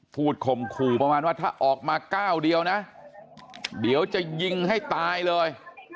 ข่มขู่ประมาณว่าถ้าออกมาก้าวเดียวนะเดี๋ยวจะยิงให้ตายเลย